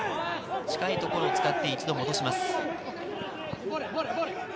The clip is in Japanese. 近いところを使って一度戻します。